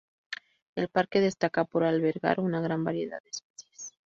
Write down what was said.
El parque destaca por albergar una gran variedad de especies.